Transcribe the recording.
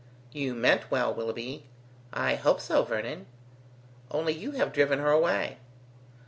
"You meant well, Willoughby." "I hope so, Vernon." "Only you have driven her away."